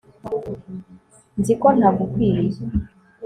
nzi ko ntagukwiriye